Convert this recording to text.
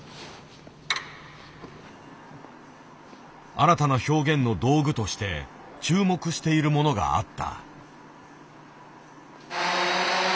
新たな表現の道具として注目しているものがあった。